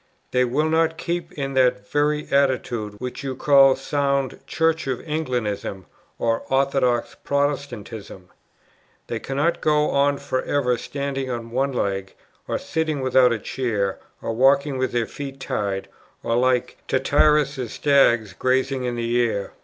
They "will not keep in that very attitude which you call sound Church of Englandism or orthodox Protestantism. They cannot go on for ever standing on one leg, or sitting without a chair, or walking with their feet tied, or like Tityrus's stags grazing in the air.